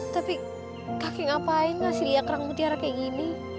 tapi kakek ngapain ngasih liat kerang mutiara kayak gini